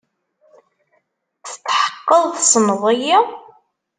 Tetḥeqqeḍ tessneḍ-iyi?